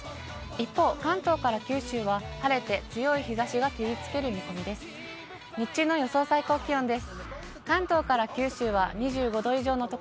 一方、関東から九州は、晴れて、強い日ざしが照り付ける見込みです。